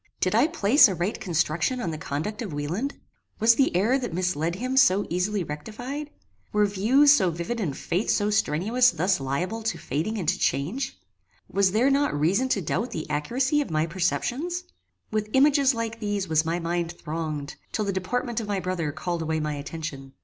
Did I place a right construction on the conduct of Wieland? Was the error that misled him so easily rectified? Were views so vivid and faith so strenuous thus liable to fading and to change? Was there not reason to doubt the accuracy of my perceptions? With images like these was my mind thronged, till the deportment of my brother called away my attention.